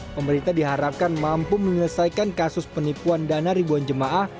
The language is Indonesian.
pemerintah diharapkan mampu menyelesaikan kasus penipuan dana ribuan jemaah